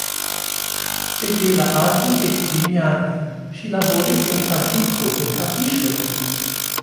Sed je la aĝo de kvin jaroj, ŝi laboris en fabriko de tapiŝoj.